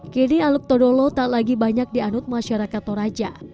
kedih al qudro tak lagi banyak dianut masyarakat toraja